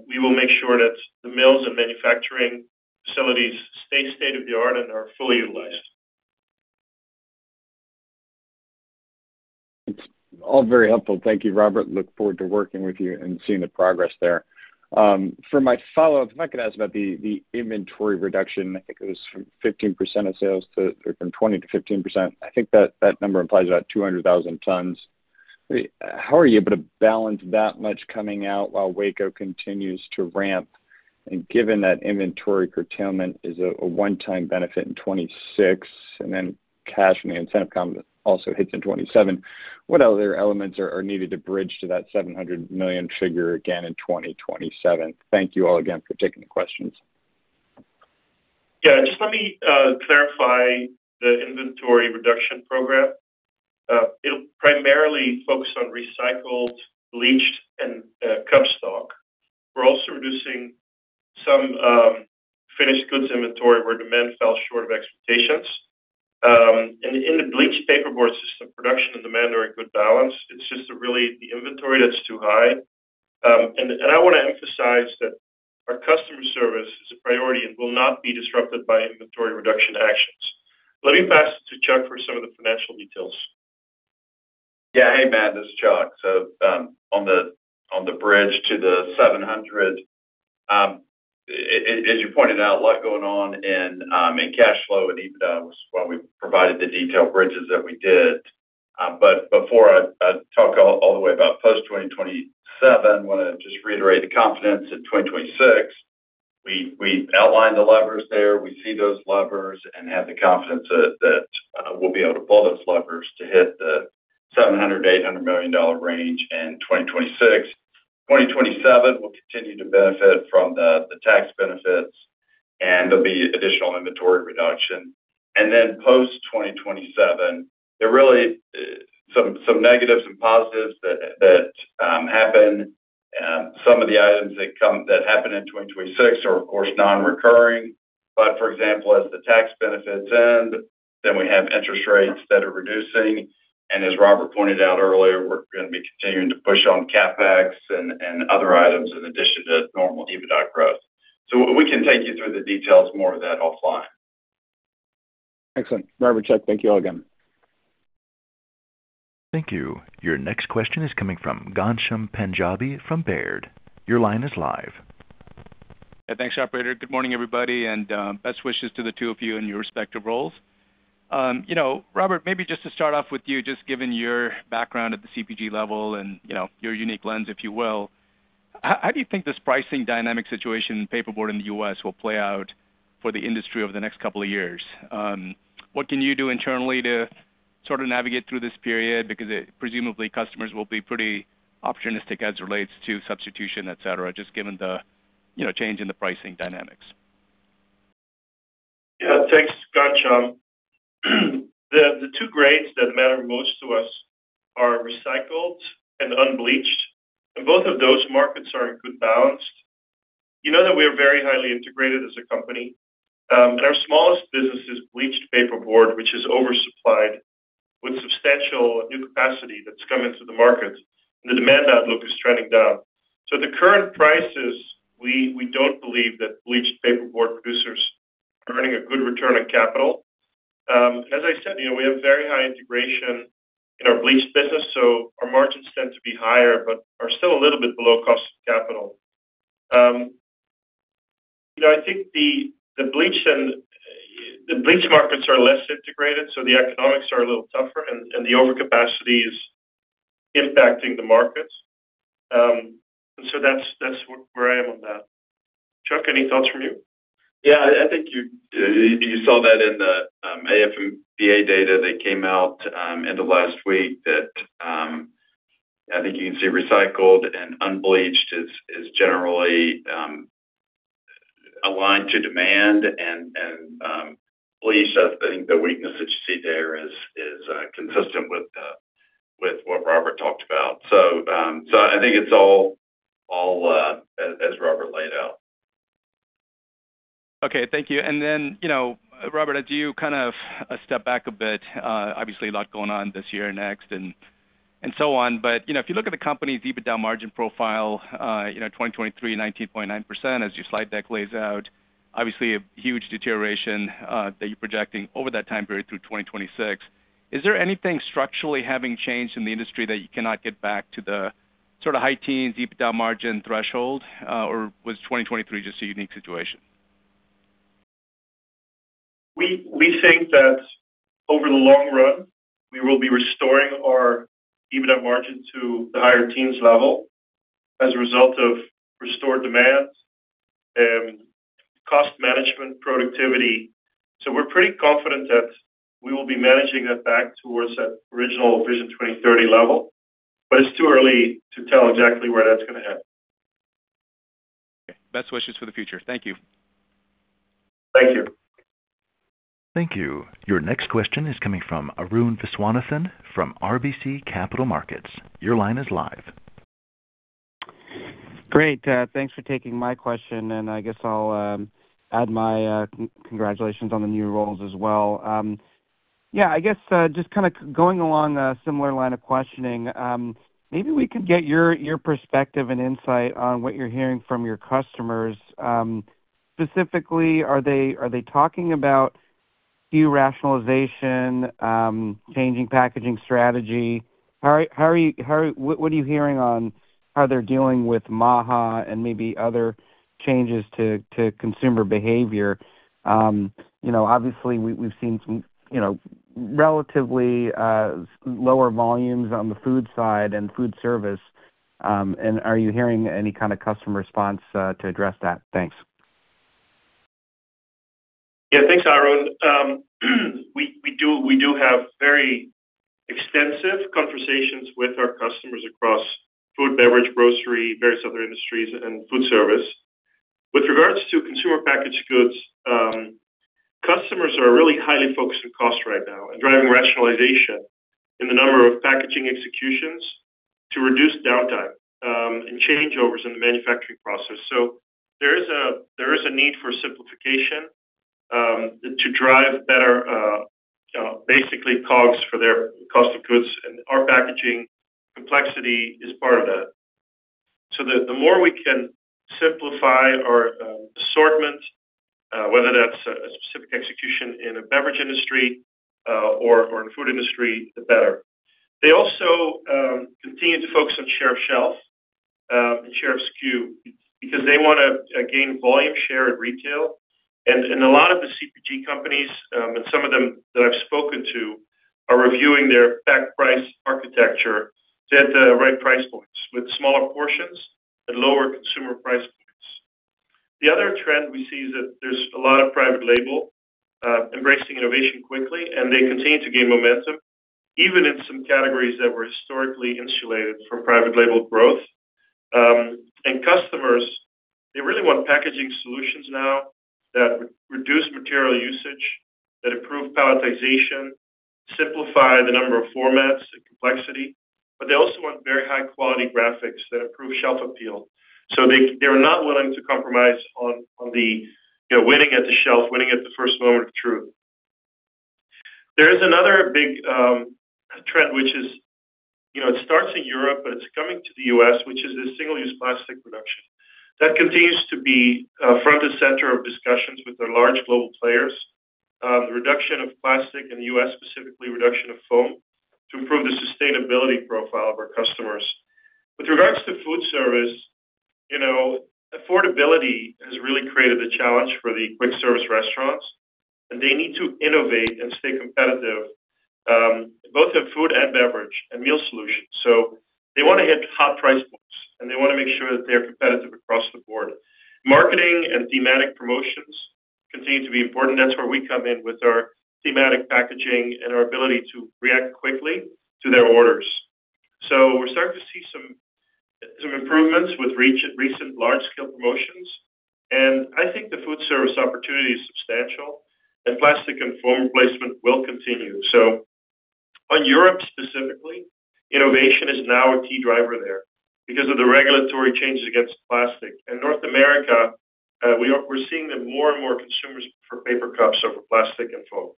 C: We will make sure that the mills and manufacturing facilities stay state-of-the-art and are fully utilized. It's all very helpful.
E: Thank you, Robbert. Look forward to working with you and seeing the progress there. For my follow-up, if I could ask about the inventory reduction, I think it was from 15% of sales to from 20% to 15%. I think that number implies about 200,000 tons. How are you able to balance that much coming out while Waco continues to ramp, and given that inventory curtailment is a one-time benefit in 2026 and then cash and the incentive comp also hits in 2027, what other elements are needed to bridge to that $700 million figure again in 2027? Thank you all again for taking the questions.
C: Yeah, just let me clarify the inventory reduction program. It'll primarily focus on recycled, bleached, and cup stock. We're also reducing some finished goods inventory where demand fell short of expectations. In the bleached paperboard system, production and demand are in good balance. It's just really the inventory that's too high. I want to emphasize that our customer service is a priority and will not be disrupted by inventory reduction actions. Let me pass it to Chuck for some of the financial details.
D: Yeah, hey, Matt. This is Chuck. So on the bridge to the 700, as you pointed out, a lot going on in cash flow and EBITDA while we provided the detailed bridges that we did. But before I talk all the way about post-2027, I want to just reiterate the confidence in 2026. We outlined the levers there. We see those levers and have the confidence that we'll be able to pull those levers to hit the $700-$800 million range in 2026. 2027, we'll continue to benefit from the tax benefits, and there'll be additional inventory reduction. And then post-2027, there are really some negatives and positives that happen. Some of the items that happen in 2026 are, of course, non-recurring. But for example, as the tax benefits end, then we have interest rates that are reducing. And as Robbert pointed out earlier, we're going to be continuing to push on CapEx and other items in addition to normal EBITDA growth. So we can take you through the details more of that offline.
E: Excellent. Robbert, Chuck, thank you all again.
A: Thank you. Your next question is coming from Ghansham Panjabi from Baird. Your line is live.
F: Yeah, thanks, operator. Good morning, everybody, and best wishes to the two of you in your respective roles. Robbert, maybe just to start off with you, just given your background at the CPG level and your unique lens, if you will, how do you think this pricing dynamic situation in paperboard in the U.S. will play out for the industry over the next couple of years? What can you do internally to sort of navigate through this period because presumably customers will be pretty opportunistic as it relates to substitution, etc., just given the change in the pricing dynamics?
C: Yeah, thanks, Gansham. The two grades that matter most to us are recycled and unbleached. Both of those markets are in good balance. You know that we are very highly integrated as a company. Our smallest business is bleached paperboard, which is oversupplied with substantial new capacity that's come into the market. And the demand outlook is trending down. So at the current prices, we don't believe that bleached paperboard producers are earning a good return on capital. And as I said, we have very high integration in our bleached business, so our margins tend to be higher but are still a little bit below cost of capital. I think the bleach markets are less integrated, so the economics are a little tougher, and the overcapacity is impacting the markets. And so that's where I am on that. Chuck, any thoughts from you?
D: Yeah, I think you saw that in the AF&PA data that came out end of last week that I think you can see recycled and unbleached is generally aligned to demand. And bleach, I think the weakness that you see there is consistent with what Robbert talked about. So I think it's all as Robbert laid out.
F: Okay, thank you. And then, Robbert, as you kind of step back a bit, obviously, a lot going on this year and next and so on. But if you look at the company's EBITDA margin profile, 2023, 19.9%, as your slide deck lays out, obviously, a huge deterioration that you're projecting over that time period through 2026. Is there anything structurally having changed in the industry that you cannot get back to the sort of high teens EBITDA margin threshold, or was 2023 just a unique situation?
C: We think that over the long run, we will be restoring our EBITDA margin to the higher teens level as a result of restored demand and cost management productivity. So we're pretty confident that we will be managing that back towards that original Vision 2030 level, but it's too early to tell exactly where that's going to happen.
F: Okay, best wishes for the future. Thank you.
C: Thank you.
A: Thank you. Your next question is coming from Arun Viswanathan from RBC Capital Markets. Your line is live. Great.
G: Thanks for taking my question, and I guess I'll add my congratulations on the new roles as well. Yeah, I guess just kind of going along a similar line of questioning, maybe we can get your perspective and insight on what you're hearing from your customers. Specifically, are they talking about derationalization, changing packaging strategy? What are you hearing on how they're dealing with MAHA and maybe other changes to consumer behavior? Obviously, we've seen some relatively lower volumes on the food side and food service. And are you hearing any kind of customer response to address that? Thanks.
C: Yeah, thanks, Arun. We do have very extensive conversations with our customers across food, beverage, grocery, various other industries, and food service. With regards to consumer packaged goods, customers are really highly focused on cost right now and driving rationalization in the number of packaging executions to reduce downtime and changeovers in the manufacturing process. So there is a need for simplification to drive better, basically, COGS for their cost of goods, and our packaging complexity is part of that. So the more we can simplify our assortment, whether that's a specific execution in a beverage industry or in the food industry, the better. They also continue to focus on share of shelf and share of queue because they want to gain volume share in retail. And a lot of the CPG companies, and some of them that I've spoken to, are reviewing their pack price architecture to hit the right price points with smaller portions at lower consumer price points. The other trend we see is that there's a lot of private label embracing innovation quickly, and they continue to gain momentum even in some categories that were historically insulated from private label growth. And customers, they really want packaging solutions now that reduce material usage, that improve palletization, simplify the number of formats and complexity. But they also want very high-quality graphics that improve shelf appeal. So they are not willing to compromise on winning at the shelf, winning at the first moment of truth. There is another big trend, which is it starts in Europe, but it's coming to the U.S., which is this single-use plastic production. That continues to be front and center of discussions with our large global players, the reduction of plastic and U.S.-specifically, reduction of foam to improve the sustainability profile of our customers. With regards to food service, affordability has really created the challenge for the quick service restaurants, and they need to innovate and stay competitive both in food and beverage and meal solutions. So they want to hit hot price points, and they want to make sure that they are competitive across the board. Marketing and thematic promotions continue to be important. That's where we come in with our thematic packaging and our ability to react quickly to their orders. So we're starting to see some improvements with recent large-scale promotions. And I think the food service opportunity is substantial, and plastic and foam replacement will continue. So on Europe specifically, innovation is now a key driver there because of the regulatory changes against plastic. And North America, we're seeing more and more consumers for paper cups over plastic and foam.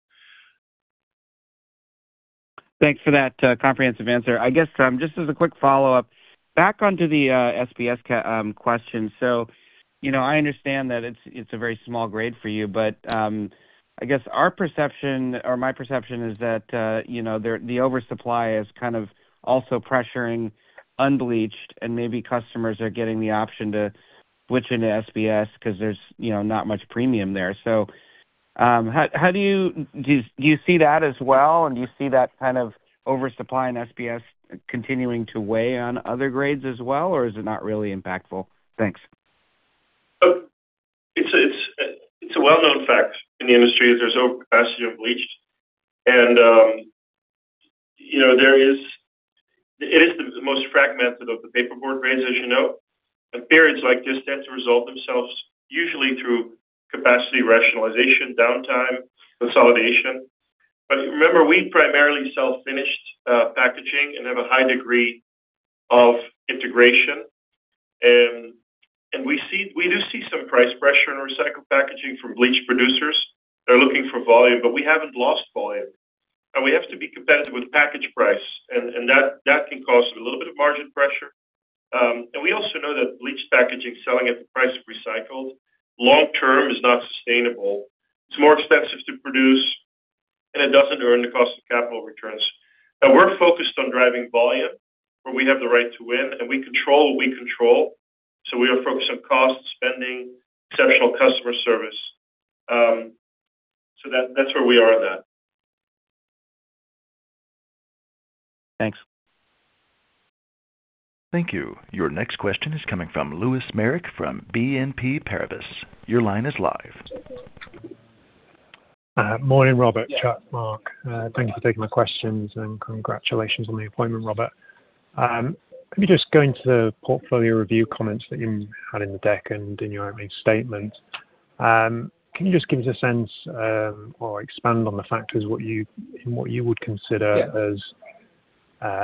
G: Thanks for that comprehensive answer. I guess just as a quick follow-up, back onto the SBS question. So I understand that it's a very small grade for you, but I guess our perception or my perception is that the oversupply is kind of also pressuring unbleached, and maybe customers are getting the option to switch into SBS because there's not much premium there. So do you see that as well, and do you see that kind of oversupply in SBS continuing to weigh on other grades as well, or is it not really impactful? Thanks.
C: It's a well-known fact in the industry that there's overcapacity on bleached. It is the most fragmented of the paperboard grades, as you know. Periods like this tend to resolve themselves usually through capacity rationalization, downtime, consolidation. But remember, we primarily sell finished packaging and have a high degree of integration. We do see some price pressure on recycled packaging from bleached producers. They're looking for volume, but we haven't lost volume. And we have to be competitive with package price, and that can cause a little bit of margin pressure. And we also know that bleached packaging selling at the price of recycled long-term is not sustainable. It's more expensive to produce, and it doesn't earn the cost of capital returns. And we're focused on driving volume where we have the right to win, and we control what we control. So we are focused on cost, spending, exceptional customer service. So that's where we are on that.
G: Thanks.
A: Thank you. Your next question is coming from Lewis Merrick from BNP Paribas. Your line is live.
H: Morning, Robbert, Chuck, Mark. Thank you for taking my questions, and congratulations on the appointment, Robbert. Let me just go into the portfolio review comments that you had in the deck and in your opening statement. Can you just give us a sense or expand on the factors in what you would consider as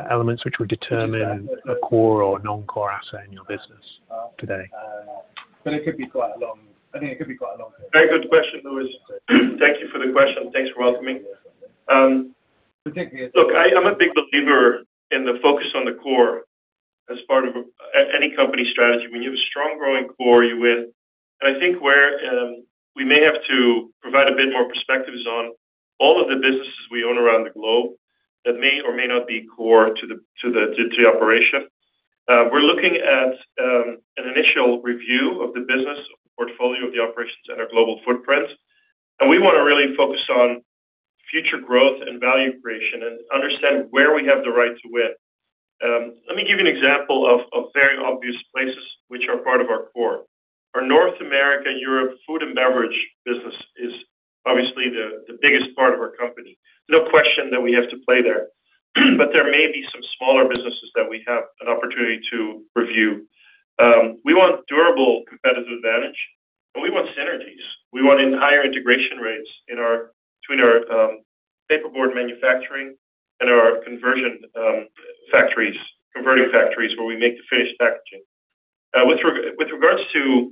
H: elements which would determine a core or non-core asset in your business today? But it could be quite a long, I think it could be quite a long time.
C: Very good question, Lewis. Thank you for the question. Thanks for welcoming. Look, I'm a big believer in the focus on the core as part of any company strategy. When you have a strong growing core, you win. I think where we may have to provide a bit more perspectives on all of the businesses we own around the globe that may or may not be core to the operation, we're looking at an initial review of the business portfolio of the operations and our global footprint. We want to really focus on future growth and value creation and understand where we have the right to win. Let me give you an example of very obvious places which are part of our core. Our North America and Europe food and beverage business is obviously the biggest part of our company. There's no question that we have to play there. But there may be some smaller businesses that we have an opportunity to review. We want durable competitive advantage, and we want synergies. We want higher integration rates between our paperboard manufacturing and our conversion factories, converting factories where we make the finished packaging. With regards to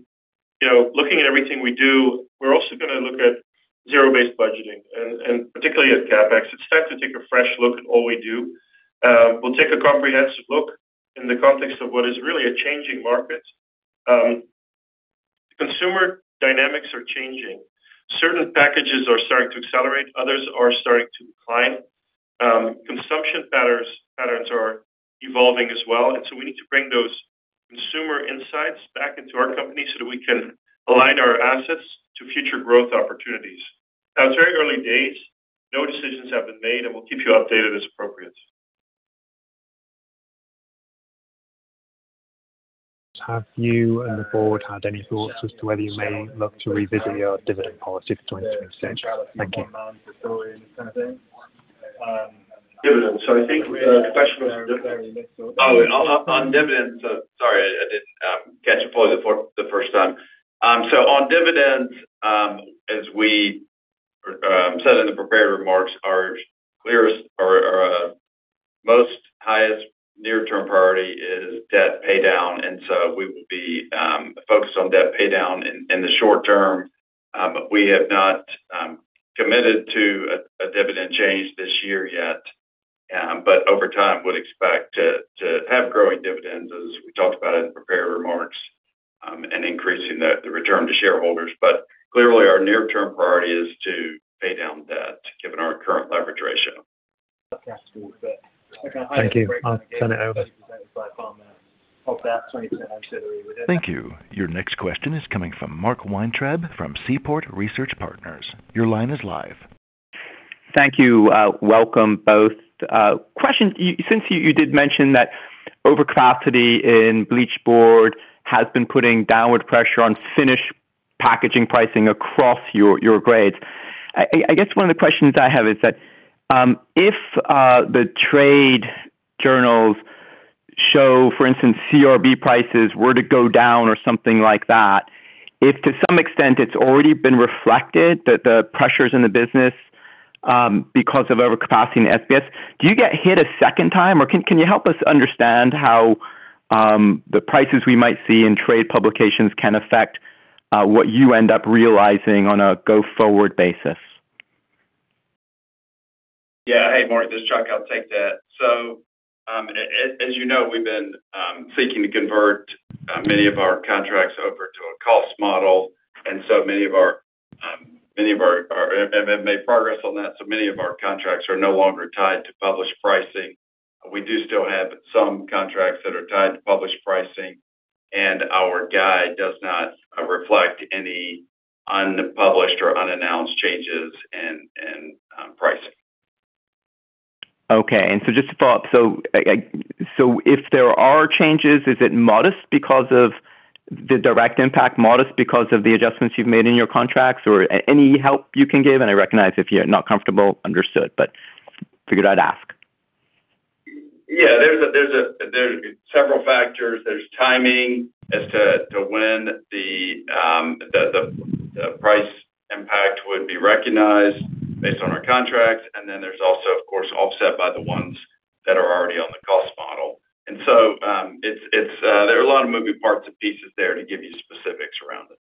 C: looking at everything we do, we're also going to look at zero-based budgeting and particularly at CapEx. It's time to take a fresh look at all we do. We'll take a comprehensive look in the context of what is really a changing market. Consumer dynamics are changing. Certain packages are starting to accelerate. Others are starting to decline. Consumption patterns are evolving as well. So we need to bring those consumer insights back into our company so that we can align our assets to future growth opportunities. Now, it's very early days. No decisions have been made, and we'll keep you updated as appropriate.
H: Have you and the board had any thoughts as to whether you may look to revisit your dividend policy for 2026? Thank you.
C: Dividends. So I think the question was, oh, on dividends. Sorry, I didn't catch your point the first time. So on dividends, as we said in the prepared remarks, our most highest near-term priority is debt paydown. And so we will be focused on debt paydown in the short term. We have not committed to a dividend change this year yet, but over time, would expect to have growing dividends as we talked about in the prepared remarks and increasing the return to shareholders. But clearly, our near-term priority is to pay down debt given our current leverage ratio.
H: Capitals. But just to kind of highlight that. Thank you. I'll turn it over.
A: Thank you. Your next question is coming from Mark Weintraub from Seaport Research Partners. Your line is live.
I: Thank you. Welcome both. Since you did mention that overcapacity in bleached board has been putting downward pressure on finished packaging pricing across your grades, I guess one of the questions I have is that if the trade journals show, for instance, CRB prices were to go down or something like that, if to some extent it's already been reflected that the pressure is in the business because of overcapacity in SBS, do you get hit a second time, or can you help us understand how the prices we might see in trade publications can affect what you end up realizing on a go-forward basis?
D: Yeah. Hey, Mark. This is Chuck. I'll take that. So as you know, we've been seeking to convert many of our contracts over to a cost model. And so many of our and have made progress on that. So many of our contracts are no longer tied to published pricing. We do still have some contracts that are tied to published pricing, and our guide does not reflect any unpublished or unannounced changes in pricing.
I: Okay. And so just to follow up, so if there are changes, is it modest because of the direct impact, modest because of the adjustments you've made in your contracts, or any help you can give? And I recognize if you're not comfortable, understood, but figured I'd ask.
D: Yeah. There's several factors. There's timing as to when the price impact would be recognized based on our contracts. And then there's also, of course, offset by the ones that are already on the cost model. And so there are a lot of moving parts and pieces there to give you specifics around it.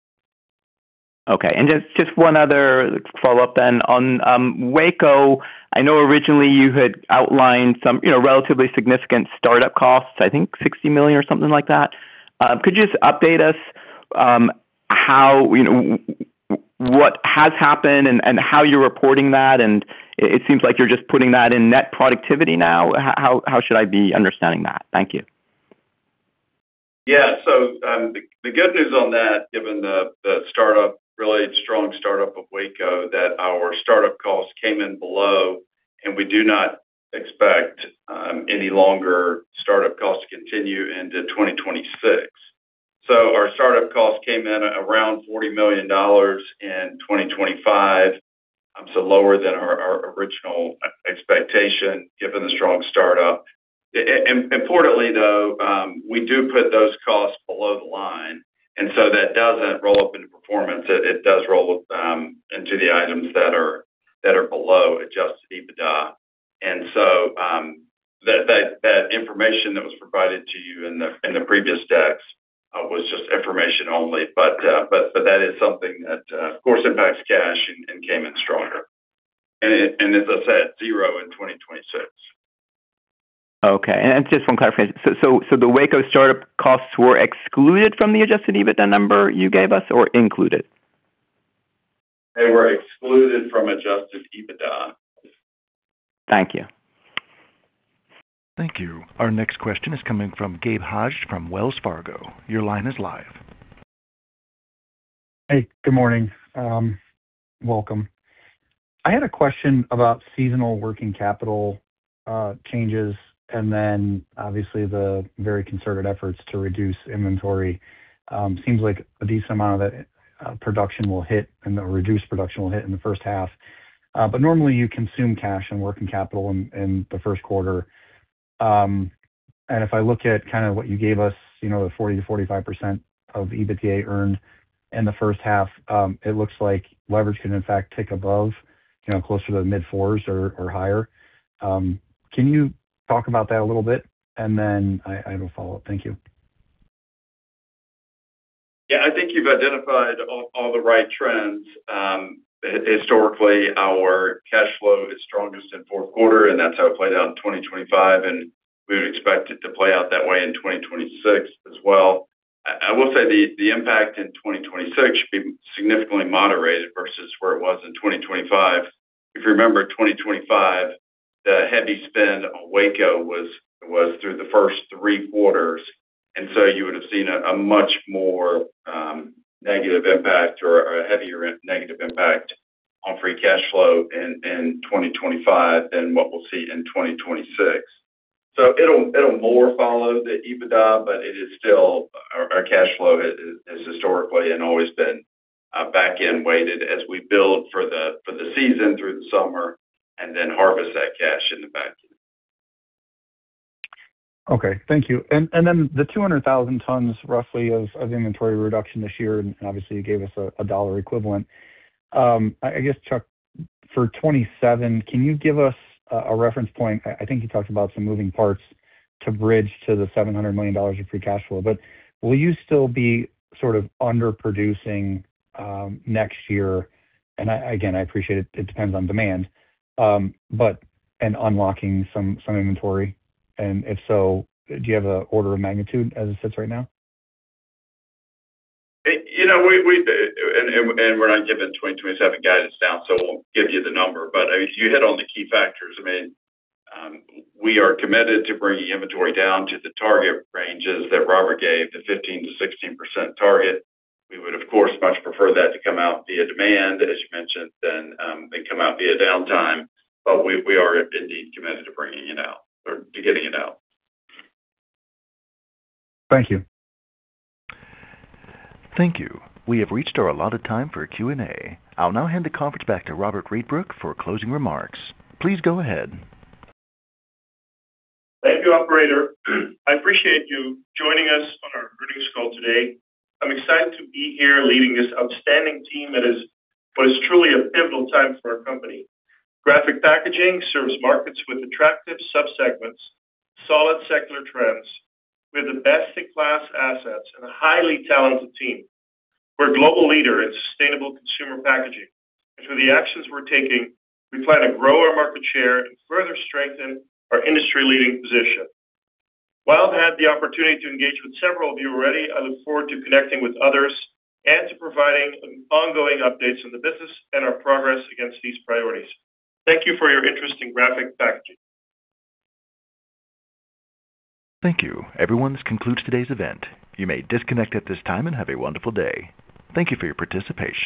I: Okay. And just one other follow-up then on Waco. I know originally you had outlined some relatively significant startup costs, I think $60 million or something like that. Could you just update us what has happened and how you're reporting that? And it seems like you're just putting that in net productivity now. How should I be understanding that? Thank you.
D: Yeah. So the good news on that, given the really strong startup of Waco, that our startup costs came in below, and we do not expect any longer startup costs to continue into 2026. So our startup costs came in around $40 million in 2025, so lower than our original expectation given the strong startup. Importantly, though, we do put those costs below the line. And so that doesn't roll up into performance. It does roll into the items that are below Adjusted EBITDA. And so that information that was provided to you in the previous decks was just information only. But that is something that, of course, impacts cash and came in stronger. And as I said, 0 in 2026.
I: Okay. And just one clarification. So the Waco startup costs were excluded from the Adjusted EBITDA number you gave us or included?
C: They were excluded from Adjusted EBITDA.
I: Thank you.
A: Thank you. Our next question is coming from Gabe Hajde from Wells Fargo. Your line is live.
J: Hey. Good morning. Welcome. I had a question about seasonal working capital changes and then, obviously, the very concerted efforts to reduce inventory. Seems like a decent amount of that production will hit and reduced production will hit in the first half. But normally, you consume cash and working capital in the first quarter. If I look at kind of what you gave us, the 40%-45% of EBITDA earned in the first half, it looks like leverage can, in fact, tick above, closer to the mid-fours or higher. Can you talk about that a little bit? And then I will follow up. Thank you.
D: Yeah. I think you've identified all the right trends. Historically, our cash flow is strongest in fourth quarter, and that's how it played out in 2025. We would expect it to play out that way in 2026 as well. I will say the impact in 2026 should be significantly moderated versus where it was in 2025. If you remember, 2025, the heavy spend on Waco was through the first three quarters. And so you would have seen a much more negative impact or a heavier negative impact on free cash flow in 2025 than what we'll see in 2026. So it'll more follow the EBITDA, but it is still our cash flow has historically and always been back-end weighted as we build for the season through the summer and then harvest that cash in the back end.
J: Okay. Thank you. And then the 200,000 tons, roughly, of inventory reduction this year, and obviously, you gave us a dollar equivalent. I guess, Chuck, for 2027, can you give us a reference point? I think you talked about some moving parts to bridge to the $700 million of free cash flow. But will you still be sort of underproducing next year? And again, I appreciate it. It depends on demand, but. And unlocking some inventory? If so, do you have an order of magnitude as it sits right now?
D: We're not giving 2027 guidance down, so we'll give you the number. But I mean, you hit on the key factors. I mean, we are committed to bringing inventory down to the target ranges that Robbert gave, the 15%-16% target. We would, of course, much prefer that to come out via demand, as you mentioned, than come out via downtime. But we are indeed committed to bringing it out or to getting it out.
J: Thank you.
A: Thank you. We have reached our allotted time for Q&A. I'll now hand the conference back to Robbert Rietbroek for closing remarks. Please go ahead.
C: Thank you, operator. I appreciate you joining us on our earnings call today. I'm excited to be here leading this outstanding team at what is truly a pivotal time for our company. Graphic Packaging serves markets with attractive subsegments, solid secular trends, with the best-in-class assets, and a highly talented team. We're a global leader in sustainable consumer packaging. Through the actions we're taking, we plan to grow our market share and further strengthen our industry-leading position. While I've had the opportunity to engage with several of you already, I look forward to connecting with others and to providing ongoing updates on the business and our progress against these priorities. Thank you for your interest in Graphic Packaging.
A: Thank you. That concludes today's event. You may disconnect at this time and have a wonderful day. Thank you for your participation.